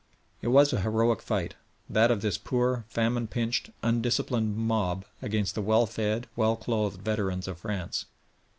It was a heroic fight, that of this poor famine pinched, undisciplined mob against the well fed, well clothed veterans of France.